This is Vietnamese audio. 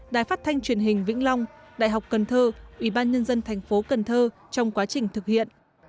đài phát thanh truyền hình vĩnh long đại học cần thơ ủy ban nhân dân thành phố cần thơ trong quá trình thực hiện